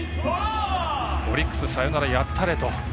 オリックス、サヨナラやったれと。